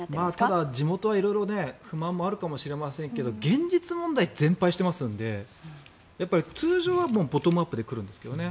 ただ、地元は色々不満はあるかもしれませんけど現実問題、全敗していますので通常はボトムアップで来るんですけどね。